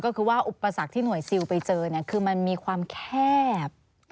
ก็คือว่าอุปสรรคที่หน่วยซิลไปเจอคือมันมีความแคบ